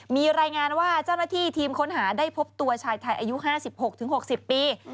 มีรายงานว่าเจ้าหน้าที่ทีมค้นหาได้พบตัวชายไทยอายุ๕๖๖๐ปี